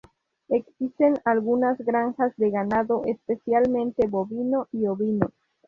Existen algunas granjas de ganado, especialmente bovino y ovino.